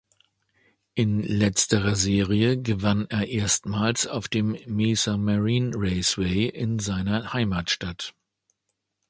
In letzterer Serie gewann er erstmals auf dem Mesa Marin Raceway in seiner Heimatstadt.